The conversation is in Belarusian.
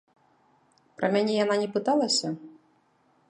Пра мяне яна не пыталася?